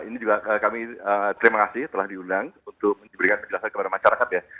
ini juga kami terima kasih telah diundang untuk memberikan penjelasan kepada masyarakat ya